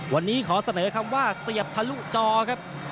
วันนี้ขอเสนอคำว่าเสียบทะลุจอครับ